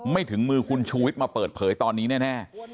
ถึงมือคุณชูวิทย์มาเปิดเผยตอนนี้แน่